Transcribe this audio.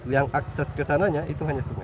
yang akses ke sana itu hanya sungai